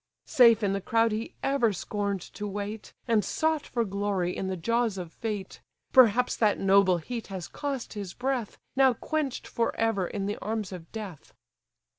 Safe in the crowd he ever scorn'd to wait, And sought for glory in the jaws of fate: Perhaps that noble heat has cost his breath, Now quench'd for ever in the arms of death."